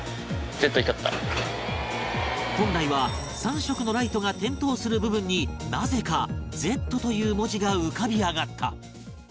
本来は３色のライトが点灯する部分になぜか「Ｚ」という文字が浮かび上がった